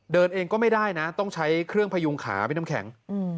เดินเองก็ไม่ได้นะต้องใช้เครื่องพยุงขาพี่น้ำแข็ง